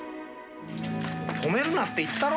止めるなって言ったろ？